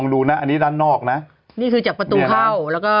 เงียบไว้ไม่มีประโยชน์แล้ว